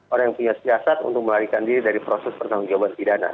orang yang punya siasat untuk melarikan diri dari proses pertanggung jawaban pidana